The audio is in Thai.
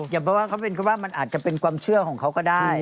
เพราะว่าเขาเป็นคำว่ามันอาจจะเป็นความเชื่อของเขาก็ได้